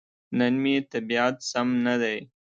نن مې طبيعت سم ندی.